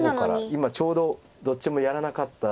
今ちょうどどっちもやらなかった。